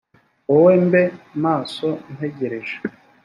wowe mbe maso ntegereje